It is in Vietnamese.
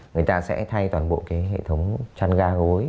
người ta sẽ thay toàn bộ cái hệ thống chăn ga gối